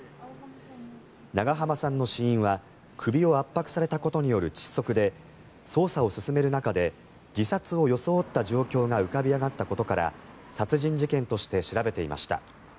長濱さんの死因は首を圧迫されたことによる窒息で捜査を進める中で自殺を装った状況が浮かび上がったことから殺人事件として調べていました。